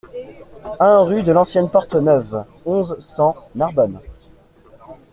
un rue de l'Ancienne Porte Neuve, onze, cent, Narbonne